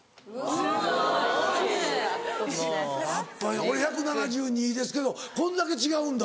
やっぱり俺１７２ですけどこんだけ違うんだ。